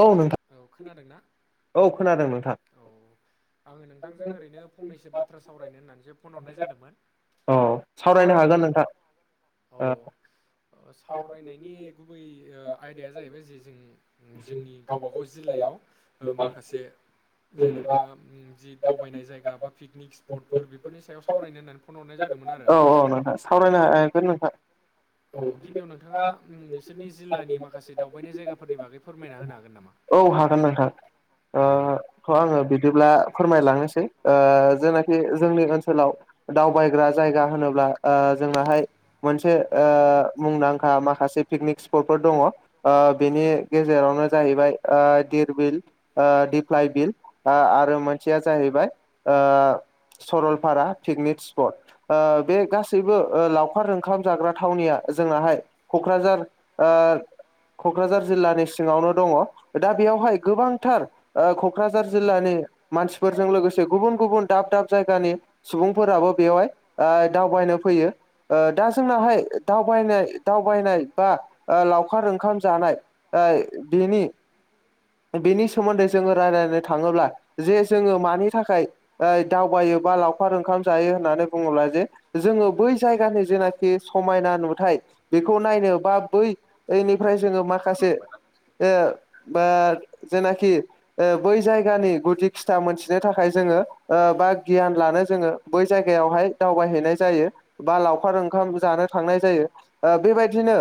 औ नोंथां औ खोनादों नोंथां आङो नोंथांजों ओरैनो फंनैसो बाथ्रा सावरायनो होननानैसो फन हरनाय जादोंमोन अ सावरायनो हागोन नोंथां औ सावरायनायनि गुबै आयदाया जाहैबाय जे जों जोंनि गावबागाव जिल्लायाव माखासे जेनेबा जि दावबायनाय जायगा बा पिकनिक स्पटफोर बेफोरनि सायाव सावरायनो होननानै फन हरनाय जादोंमोन आरो औ औ नोंथां सावरायनो हागोन नोंथां औ गिबियाव नोंथाङा नोंसोरनि जिल्लानि माखासे दावबायनाय जायगाफोरनि बागै फोरमायना होनो हागोन नामा औ हागोन नोंथां थ' आङो बिदिब्ला फोरमायलांनोसै जेनाखि जोंनि ओनसोलाव दावबायग्रा जायगा होनोब्ला जोंनाहाय मोनसे मुंदांखा माखासे पिकनिक स्पटफोर दङ बेनि गेजेरावनो जाहैबाय दिरबिल दिप्लइ बिल आरो मोनसेया जाहैबाय सरलपारा पिकनिक स्पट बे गासैबो लावखार ओंखाम जाग्रा थावनिया जोंनाहाय क'क्राझार क'क्राझार जिल्लानि सिङावनो दङ दा बेयावहाय गोबांथार क'क्राझार जिल्लानि मानसिफोरजों लोगोसे गुबुन गुबुन दाब दाब जायगानि सुबुंफोराबो बेवहाय दावबायनो फैयो दा जोंनहाय दावबायनाय दावबायनाय बा लावखार ओंखाम जानाय दा बिनि बेनि सोमोन्दै जोङो रायज्लायनो थाङोब्ला जे जोङो मानि थाखाय ओ दावबायो बा लावखार ओंखाम जायो होननानै बुङोब्ला जे जोङो बै जायगानि जेनाखि समायना नुथाय बेखौ नायनो बा बैनिफ्राय जोङो माखासे बा जेनाखि बै जायगानि गुदि खिथा मोनथिनो थाखाय जोङो बा गियान लानो जोङो बै जायगायावहाय दावबायहैनाय जायो बा लावखार ओंखाम जानो थांनाय जायो बेबायदिनो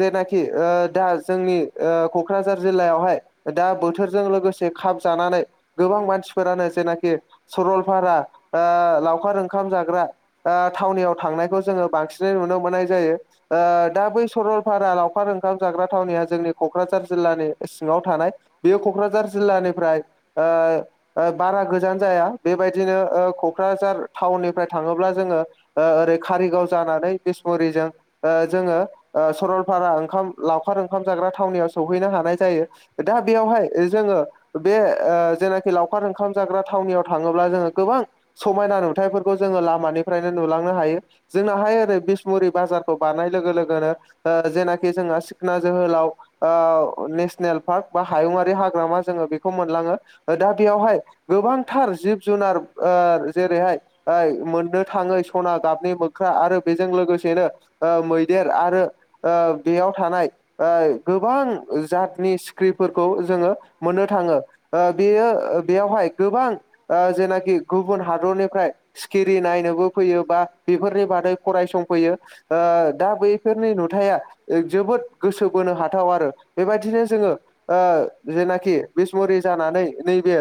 जेनाखि आ दा जोंनि क'क्राझार जिल्लायावहाय दा बोथोरजों लोगोसे खप जानानै गोबां मानसिफोरानो जेनाखि सरलपारा लावखार ओंखाम जाग्रा थावनियाव थांनायखौ जोङो बांसिनै नुनो मोननाय जायो दा बै सरलपारा लावखार ओंखाम जाग्रा थावनिया जोंनि क'क्राझार जिल्लानि सिङाव थानाय बेयो क'क्राझार जिल्लानिफ्राय आ बारा गोजान जाया बेबायदिनो क'क्राझार टाउननिफ्राय थाङोब्ला जोङो ओरै कारिगाव जानानै बिसमुरिजों जोङो सरलपारा ओंखाम लावखार ओंखाम जाग्रा थावनियाव सौहैनो हानाय जायो दा बेयावहाय जोङो बे जेनाखि लावखार ओंखाम जाग्रा थावनियाव थाङोब्ला जोङो गोबां समायना नुथायफोरखौ जोङो लामानिफ्रायनो नुलांनो हायो जोंनाहाय ओरै बिसमुरि बाजारखौ बारनाय लोगो लोगोनो जेनाखि जोंहा सिखना जोहोलाव नेसनेल पार्क बा हायुंङारि हाग्रामा जोङो बेखौ मोनलाङो दा बेयावहाय गोबांथार जिब जुनार जेरैहाय मोननो थाङै सना गाबनि मोख्रा आरो बेजों लोगोसेनो मैदेर आरो बेयाव थानाय गोबां जातनि सिख्रिफोरखौ जोङो मोननो थाङो बेयो बेयावहाय गोबां जेनाखि गुबुन हादरनिफ्राय सिखिरि नायनोबो फैयो बा बेफोरनि बादै फरायसंफैयो दा बैफोरनि नुथाया जोबोद गोसो बोनो हाथाव आरो बेबायदिनो जोङो जेनाखि बिसमुरि जानानै नैबे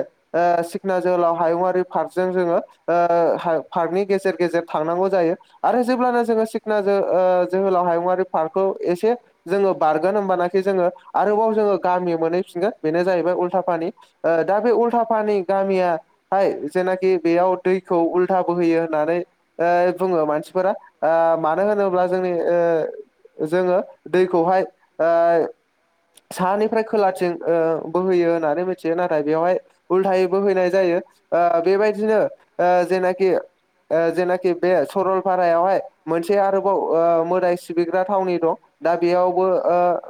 सिखना जोहोलाव हायुङरारि पार्कजों जोङो पार्कनि गेजेर गेजेर थांनांगौ जायो। आरो जेब्लानो जोङो सिखना जोहोलाव हायुङरारि पार्कखौ एसे जोङो बारगोन होमबानाखि जोङो आरोबाव जोङो गामि मोनहैफिनगोन बेनो जाहैबाय उल्थाफानि दा बे उल्थाफानि गामिया हाय जेनाखि बेयाव दैखौ उल्था बोहोयो होननानै बुङो मानसिफोरा मानो होनोब्ला जोंनि जोङो दैखौहाय। सानिफ्राय खोलाथिं बोहोयो होननानै मिथियो नाथाय बेवहाय। उल्थायै बोहैनाय जायो बेबायदिनो जेनाखि। जेनाखि बे सरलपारायावहाय मोनसे आरोबाव मोदाय सिबिग्रा थावनि दं। दा बेयावबो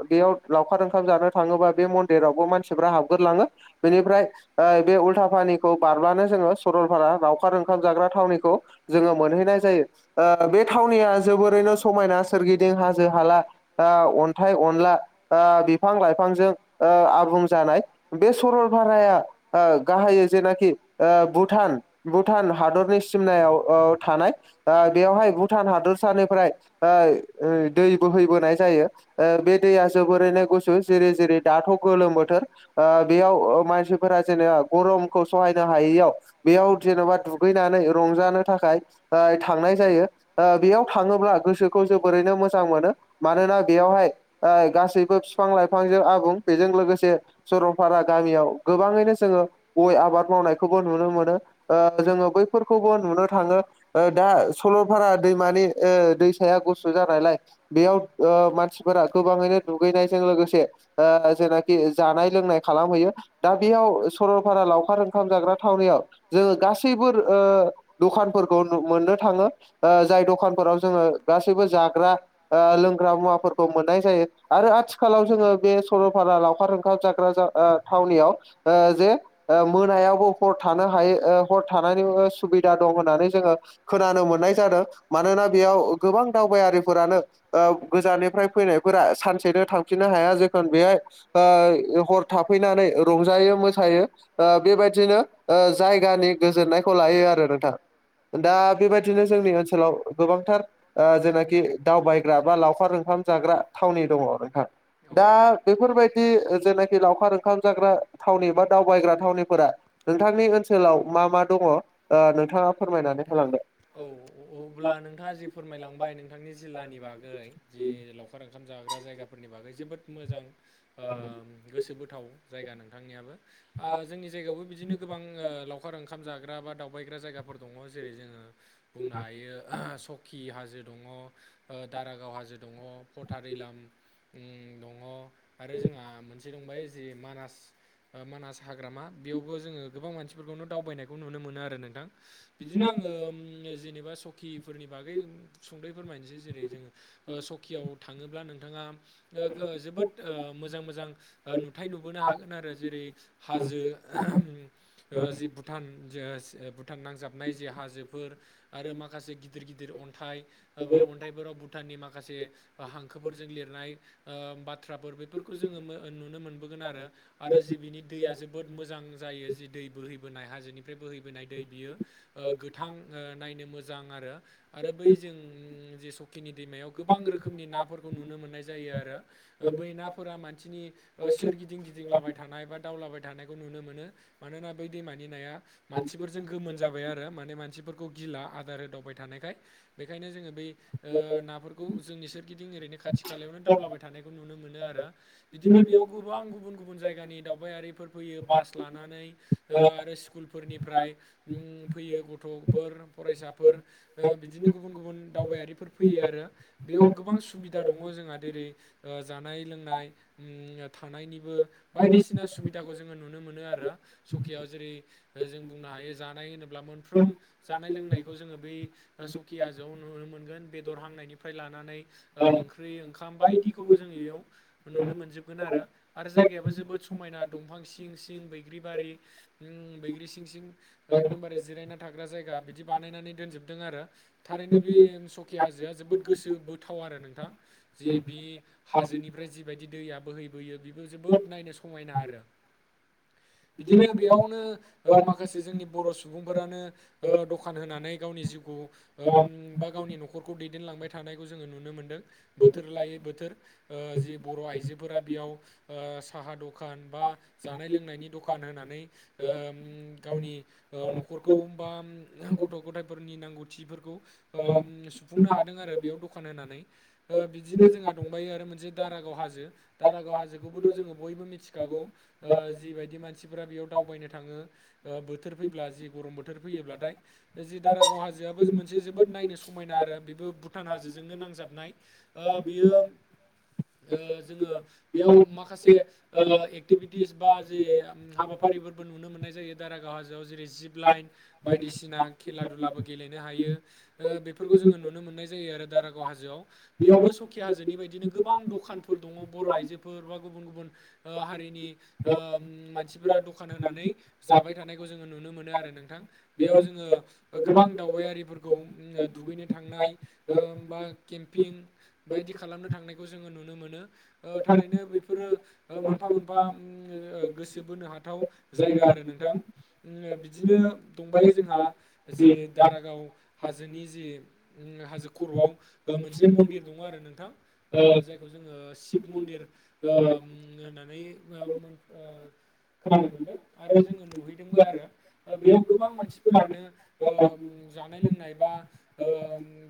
बेयाव लावखार ओखाम जानो थाङोबा बे मन्दिरावबो मानसिफ्रा हाबगोरलाङो बेनिफ्राय। बे उल्था पानिखौ बारब्लानो जोङो सरलपारा लावखार ओंखाम जाग्रा थावनिखौ जोङो मोनहैनाय जायो बे थावनिया जोबोरैनो समायना सोरगिदिं हाजो हाला अन्थाइ अनला बिफां लाइफांजों आबुं जानाय। बे सरल भाराया गाहायै जेनाखि भुटान भुटान हादरनि सिमनायाव थानाय बेवहाय भुटान हादोरसानिफ्राय दै बोहैबोनाय जायो बे दैया जोबोरैनो गुसु जेरै जेरै दाथ' गोलोम बोथोर बेयाव मानसिफोरा जेनेबा गरमखौ सहायनो हायैयाव। बेयाव जेन'बा दुगैनानै रंजानो थाखाय थांनाय जायो बेयाव थाङोब्ला गोसोखौ जोबोरैनो मोजां मोनो। मानोना बेयावहाय गासैबो बिफां लाइफांजों आबुं बेजों लोगोसे सरलपारा गामियाव गोबाङैनो जोङो गय आबाद मावनायखौबो नुनो मोनो। जोङो बैफोरखौबो नुनो थाङो। दा सलपारा दैमानि दैसाया गुसु जानायलाय बेयाव मानसिफोरा गोबाङैनो दुगैनायजों लोगोसे जेनाखि जानाय लोंनाय खालामहैयो दा बेयाव सरलपारा लावखार ओंखाम जाग्रा थावनियाव जोङो गासैबो दखानफोरखौ मोननो थाङो जाय दखानफोराव जोङो गासैबो जाग्रा ओ लों लोंग्रा मुवाफोरखौ मोननाय जायो आरो आथिखालाव जोङो बे सरलपारा लावखार ओंखाम जाग्रा जा थावनियाव जे मोनायावबो हर थानो हायो हर थानानैबो सुबिदा दं होननानै जोङो खोनानो मोननाय जादों मानोना बेयाव गोबां दावबायारिफोरानो गोजाननिफ्राय फैनायफोरा सानसेनो थांफिननो हाया जेखुन बे हर थाफैनानै रंजायो मोसायो। बेबायदिनो जायगानि गोजोननायखौ लायो आरो नोंथां। दा बेबायदिनो जोंनि ओनसोलाव गोबांथार जेनाखि दावबायग्रा बा लाव लावखार ओंखाम जाग्रा थावनि दङ नोंथां। दा बेफोरबायदि जेनाखि लावखार ओंखाम जाग्रा थावनि बा दावबायग्रा थावनिफोरा नोंथांनि ओनसोलाव मा मा दङ नोंथाङा फोरमायनानै होलांदो? औ अब्ला नोंथाङा जि फोरमायलांबाय नोंथांनि जिल्लानि बागै जि लावखार ओंखाम जाग्रा जायगा। फोरनि बागै जोबोद मोजां गोसो गोथाव जायगा नोंथांनियाबो। जोंनि जायगायावबो बिदिनो गोबां लावखार ओंखा ओंखाम जाग्रा बा दावबायग्रा जायगाफोर दङ जेरै जोङो बुंनो हायो सौ कि हाजो दङ दारागाव हाजो दङ पथारिलाम। उम दङ आरो जोंहा मोनसे दंबाय जे मानास मानास हाग्रामा बेयावबो जोङो गोबां मानसिफोरखौनो दावबायनायखौ नुनो मोनो आरो नोंथां। बिदिनो आङो जेनेबा सौकिफोरनि बागै सुंदैयै फोरमायनोसै जेरै जोङो सकियाव थाङोब्ला नोंथाङा ओ गो जोबोद मोजां मोजां नुथाय नुबोनो हागोन आरो जेरै हाजो जि भुटान जे सो भु भुटान नांजाबनाय जे हाजोफोर आरो माखासे गिदिर गिदिर अन्थाइ बै अन्थाइफोराव भुटाननि माखासे हांखोफोरजों लिरनाय बाथ्राफोर बेफोरखौ जोङो नुनो मोनबोगोन आरो। आरो जि बिनि दैया जोबोद मोजां जायो जि दै बोहैबोनाय हाजोनिफ्राय बोहैबोनाय दै बियो गोथां नायनो मोजां आरो आरो बै जों जे स खिनि दैमायाव गोबां रोखोमनि नाफोरखौ नुनो मोननाय जायो आरो। बै नाफोरा मानसिनि सोरगिदिं गिदिं लाबाय थानाय बा दावलाबाय थानायखौ नुनो मोनो। मानोना बै दैमानि नाया मानसिफोरजों गोमोन जाबाय आरो माने मानसि गिला आदार होदावबाय थानायखाय बेखायनो जोङो बै नाफोरखौ जोंनि सोर गिदिं ओरैनो खाथि खालायावनो दावलाबाय थानायखौ नुनो मोनो आरो बिदिनो बेयाव गोबां गुबुन गुबुन जायगानि दावबायारिफोर फैयो बास लानानै आरो स्कुलफोरनिफ्राय फैयो गथ'फोर फरायसाफोर। बिदिनो गुबुन गुबुन दावबायारिफोर फैयो आरो बेयाव गोबां सुबिदा दङ जोंहा जेरै जानाय लोंनाय उम थानायनिबो बायदिसिना सुबिदाखौ जोङो नुनो मोनो आरो सकियाव जेरै जों बुंनो हायो जानाय होनो ब्ला मोनफ्रोम जानाय लोंनायखौ जोङो बै सखि हाजोआव नुनो मोनगोन बेदर हांनायनिफ्राय लानानै ओ ओंख्रि ओंखाम बायदिखौबो जोंङो बेयाव नुनो मोनजोबगोन आरो आरो जायगायाबो जोबोद समायना दंफां सिं सिं बैग्रिबारि ओम बैग्रि सिं सिं एकदमबारे जिरायना थाग्रा जायगा बिदि बानायनानै दोनजोबदों आरो। थारैनो बे सकि हाजोआ जोबोद गोसो बोथाव आरो नोंथां। जि बि हाजोनिफ्राय जिबायदि दैया बोहैबोयो बि यो जोबोद नायनो समायना आरो बिदिनो बेयावनो ओ माखासे जोंनि बर' सुबुंफोरानो ओ दखान होनानै गावनि जिउखौ ओम बा गावनि न'खरखौ दैदेनलांबाय थानायखौ जोङो नुनो मोनदों। बोथोर लायै बोथोर ओ जि बर' आइजोफोरा बेयाव ओ साहा द खान बा जानाय लोंनायनि दखान होनानै ओम गावनि ओ न'खरखौ बाम गथ' गथायफोरनि नांगौथिफोरखौ ओम सुफुंनो हादों आरो बेयाव दखान होनानै ओ बिदिनो जोंहा दंबायो आरो मोनसे दारागाव हाजो दारागाव हाजोखौबोथ' जोङो बयबो मिथिखागौ। ओ जिबायदि मानसिफोरा बेयाव दावबायनो थाङो ओ बोथोर फैब्ला जि गरम बो थोर फैयोब्लाथाय जि दारागाव हाजोआबो मोनसे जोबोद नायनो समायना आरो बेबो भुटान हाजोजोंनो नांजाबनाय। ओ बियो ओ जोङो बेयाव माखासे ओ एक्टिभिटिस बा जे हाबाफारिफोरबो नुनो मोननाय जायो दारागाव हाजोआव जेरै- जिब लाइन बायदिसिना खेला दुलाबो गेलेनो हायो। ओ बेफोरखौ जोङो नुनो मोननाय जायो आरो दारागाव हाजोआव। बेयावबो सखि हाजोनि बायदिनो गोबां दखानफोर दङ बर' आइजोफोर बा गुबुन गुबुन ओ हारिनि ओ मानसिफोरा दखान होनानै जाबाय थानायखौ जोङो नुनो मोनो आरो नोंथां। बेयाव जोङो ओ गोबां दावबायारिफोरखौ ओ दुगैनो थांनाय ओ बा केम्पिं बायदि खालामनो थांनायखौ जोङो नुनो मोनो। ओ थारैनो बेफोरो ओ मोनफा मोनफा ओम ओ गोसो बोनो हाथाव जायगा आरो नोंथां। ओम बिदिनो दंबायो जोंहा जि दारागाव हाजोनि जि हाजो खर'आव ओ मोनसे मन्दिर दङ आरो नोंथां। ओ जायखौ जोङो शिब मन्दिर ओम होननानै ओम ओम ओ खोनानो मोनदों आरो जोङो नुहैदोंबो आरो ओ बेयाव गोबां मानसिफोरानो ओम जानाय लोंनाय बा ओ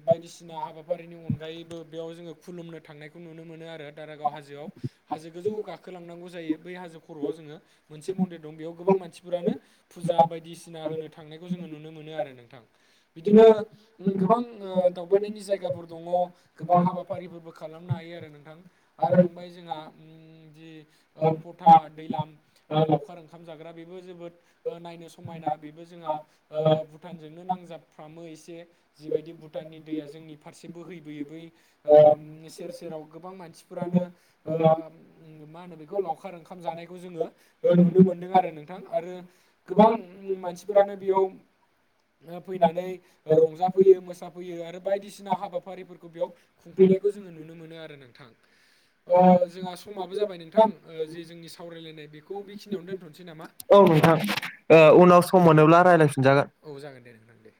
बायदिसिना हाबाफारिनि अनगायैबो बेयाव जोङो खुलुमनो थांनायखौ नुनो मोनो आरो। दारागाव हाजोआव हाजो गोजौ गाखोलांनांगौ जायो बै होजो खर'आव जोङो मोनसे मन्दिर दं बेयाव गोबां मानसिफोरानो फुजा बायदि सिना होनो थांनायखौ जोङो नुनो मोनो आरो नोंथां। बिदिनो ओ गोबां ओ दावबायनायनि जायगाफोर दङ गोबां हाबा फारिफोरबो खालामनो हायो आरो नोंथां। आरो दंबायो जोंहा ओम जि ओ फथा दैलाम। ओ लावखार ओंखाम जाग्रा बेबो जोबोद ओ नायनो समायना। बेबो जोंहा ओ भुटानजोंनो नांजाबफ्रामो एसे। जिबायदि भुटाननि दैया जोंनि फारसे बोहैबोयो बै ओम सेर सेराव गोबां मानसिफोरानो ओम मा होनो बेखौ लावखार ओंखाम जानायखौ जोङो ओ नुनो मोनदों आरो नोंथां आरो गोबां मानसिफोरानो बेयाव ओ फैनानै रंजाफैयो मोसाफैयो आरो बायदिसिना हाबाफारिफोरखौ बेयाव खुंफैनायखौ जोङो नुनो मोनो आरो नोंथां ओ जोंहा समाबो जाबाय नोंथां ओ जे जोंनि सावरायलायनाय बेखौ बेखिनियावनो दोनथ'नोसै नामा औ नोंथां ओ उनाव सम मोनोब्ला रायलायफिनजागोन। औ जागोन दे नोंथां दे।